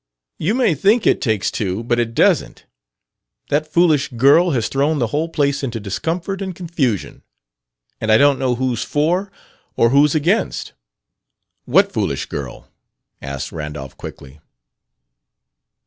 "You may think it takes two, but it doesn't. That foolish girl has thrown the whole place into discomfort and confusion; and I don't know who's for or who's against " "What foolish girl?" asked Randolph quickly.